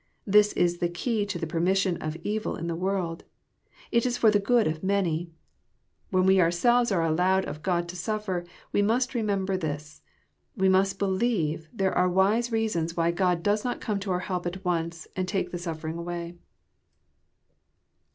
This is the key to the permission of evil in the world : it is for the good of the many. When we ourselves are allowed of God to suffer, we must re member this. We must believe there are wise reasons why Gk)d does not come to our help at once and tal^ the sufTering away.